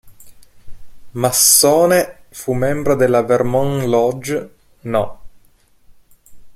Massone, fu membro della "Vermont Lodge" No.